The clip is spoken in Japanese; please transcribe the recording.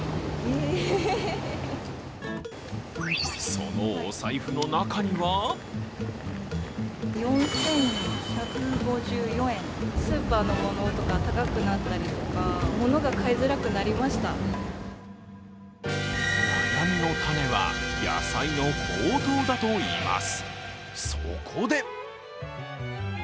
そのお財布の中には悩みの種は、野菜の高騰だといいます。